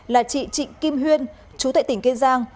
là chị trịnh kim huyên chú tại tỉnh kiên giang